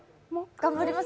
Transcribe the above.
頑張ります？